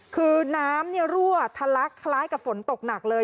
คือน้ำรั่วทะลักคล้ายกับฝนตกหนักเลย